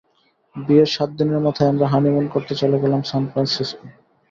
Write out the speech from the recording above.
বিয়ের সাত দিনের মাথায় আমরা হানিমুন করতে চলে গেলাম সানফ্রান্সিসকো।